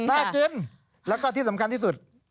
น่ากินแล้วก็ที่สำคัญที่สุด